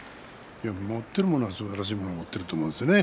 持っているものはすばらしいものを持っていると思います。